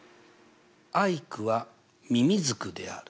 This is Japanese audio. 「アイクはミミズクである」。